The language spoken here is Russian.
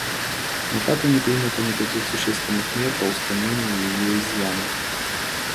Но так и не принято никаких существенных мер по устранению ее изъянов.